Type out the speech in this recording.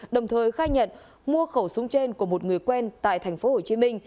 đồng thời khai nhận mua khẩu súng trên của một người quen tại tp hcm